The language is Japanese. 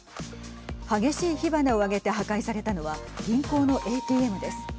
激しい火花を上げて破壊されたのは銀行のＡＴＭです。